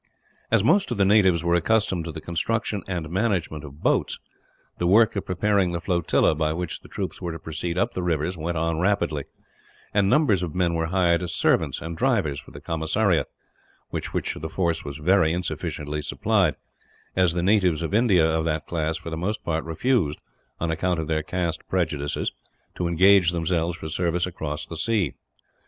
As most of the natives were accustomed to the construction and management of boats, the work of preparing the flotilla by which the troops were to proceed up the rivers went on rapidly; and numbers of men were hired as servants and drivers for the commissariat with which the force was very insufficiently supplied, as the natives of India of that class for the most part refused, on account of their caste prejudices, to engage themselves for service across the sea.